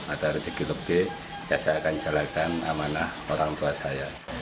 ada rezeki lebih ya saya akan jalankan amanah orang tua saya